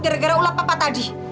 gara gara ulat papa tadi